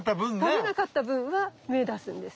食べなかった分は芽出すんです。